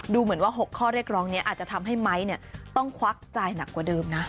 ดูเหมือนว่า๖ข้อเรียกร้องนี้อาจจะทำให้ไม้ต้องควักจ่ายหนักกว่าเดิมนะ